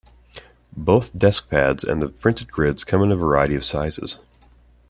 Both desk pads and the printed grids come in a variety of sizes.